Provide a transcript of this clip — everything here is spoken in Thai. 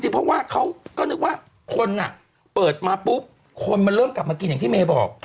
เปิดมาปุ๊บคนมาเริ่มกลับมากินอย่างที่เม้บอก